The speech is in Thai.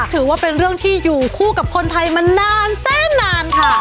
ถือว่าเป็นเรื่องที่อยู่คู่กับคนไทยมานานแสนนานค่ะ